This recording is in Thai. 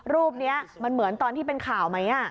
รูปนี้มันเหมือนตอนที่เป็นข่าวไหม